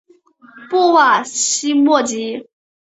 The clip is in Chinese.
布瓦西莫吉。